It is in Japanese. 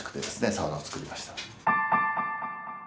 サウナを作りました。